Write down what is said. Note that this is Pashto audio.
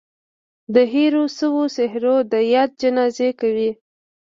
د هېرو سوو څهرو د ياد جنازې کوي